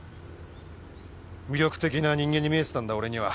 魅力的な人間に見えてたんだ俺には。